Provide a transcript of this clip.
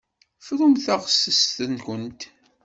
Frumt taɣtest-nkent.